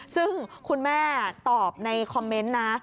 ซึ่งคุณแม่ตอบในคอมเมนต์นะ